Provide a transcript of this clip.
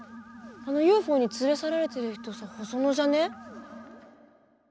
あのＵＦＯに連れ去られてる人さ細野じゃねえ？